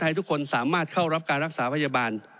ให้ทุกคนสามารถเข้ารับการรักษาพยาบาล